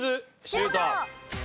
シュート！